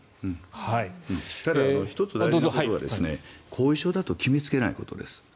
１つ大事なことは後遺症だと決めつけないことです。